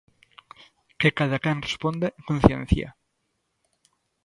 Que cada quen responda en conciencia.